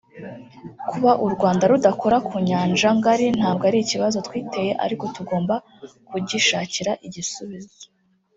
Kuba u Rwanda rudakora ku nyanja ngari ntabwo ari ikibazo twiteye ariko tugomba kugishakira igisubizo”